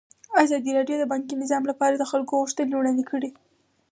ازادي راډیو د بانکي نظام لپاره د خلکو غوښتنې وړاندې کړي.